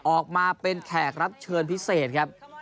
ออกมาเป็นแขกรับเชิญพิเศษครับ